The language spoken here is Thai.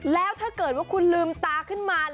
แล้วถ้าเกิดว่าคุณลืมตาขึ้นมา